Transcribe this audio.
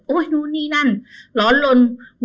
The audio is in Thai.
นู่นนี่นั่นร้อนลน